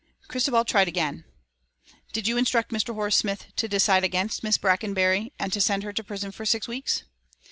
Christabel tried again. "Did you instruct Mr. Horace Smith to decide against Miss Brackenbury, and to send her to prison for six weeks?"